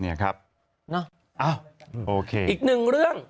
นี่ครับเนอะโอเคเรื่องอะไรฮะอีกหนึ่งเรื่อง